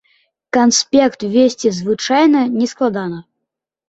Канспект весці звычайна не складана.